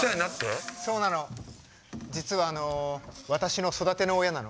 実は私の育ての親なの。